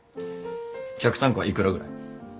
客単価はいくらぐらい？